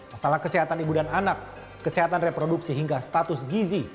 masalah kesehatan ibu dan anak kesehatan reproduksi hingga status gizi